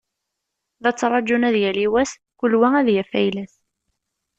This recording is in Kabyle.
La ttrağun ad yali wass, kul wa ad yaf ayla-s.